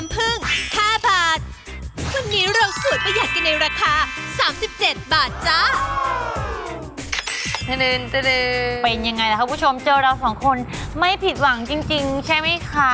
เป็นยังไงล่ะครับคุณผู้ชมเจอเราสองคนไม่ผิดหวังจริงใช่ไหมคะ